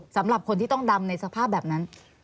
สำหรับคนที่ต้องดำในสภาพแบบนั้น